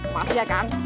makasih ya kang